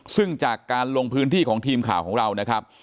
ซึ่งจากการลงพื้นที่ของทีมข่าวของเรานะครับ